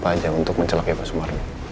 tidak ada masalah untuk mencelaknya pak sumarno